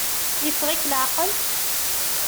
Yeffeɣ-ik leɛqel?